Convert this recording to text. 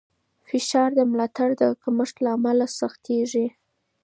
فشار د ملاتړ د کمښت له امله سختېږي.